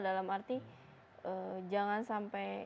dalam arti jangan sampai